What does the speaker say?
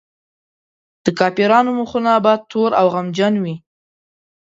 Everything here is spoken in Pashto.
د کافرانو مخونه به تور او غمجن وي.